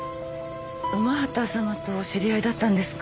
午端さまとお知り合いだったんですか？